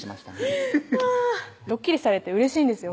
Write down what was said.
フフッドッキリされてうれしいんですよ